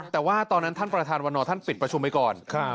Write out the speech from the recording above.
แต่ว่าตอนนั้นพระธรรมวันนอนท่านปิดประชุมไว้ก่อน